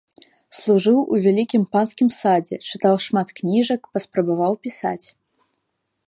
Служыў у вялікім панскім садзе, чытаў шмат кніжак, паспрабаваў пісаць.